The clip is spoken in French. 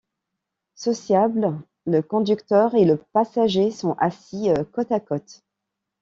Sociable, le conducteur et le passager sont assis côte-à-côte.